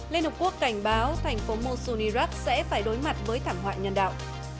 liên hợp quốc cảnh báo thành phố mosul iraq sẽ phải đối mặt với thảm họa nhân đạo